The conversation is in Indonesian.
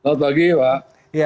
selamat pagi pak